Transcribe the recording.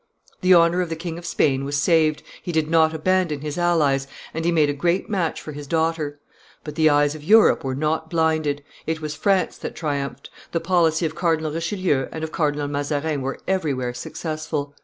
The honor of the King of Spain was saved, he did not abandon his allies, and he made a great match for his daughter. But the eyes of Europe were not blinded; it was France that triumphed; the policy of Cardinal Richelieu and of Cardinal Mazarin was everywhere successful.